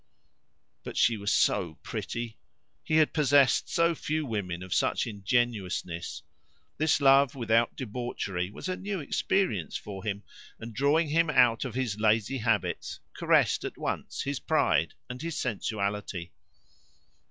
But she was so pretty. He had possessed so few women of such ingenuousness. This love without debauchery was a new experience for him, and, drawing him out of his lazy habits, caressed at once his pride and his sensuality.